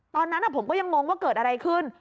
ตอนนั้นผมก็ยังงงว่าเกิดอะไรขึ้น